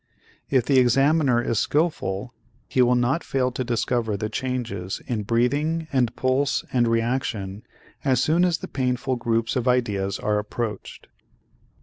If the examiner is skillful, he will not fail to discover the changes in breathing and pulse and reaction as soon as the painful groups of ideas are approached.